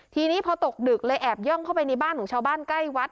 ทีนี้พอตกดึกเลยแอบย่องเข้าไปในบ้านของชาวบ้านใกล้วัด